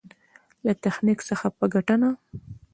له تخنيک څخه په ګټنه.